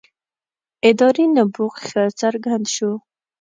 ادارې نبوغ ښه څرګند شو.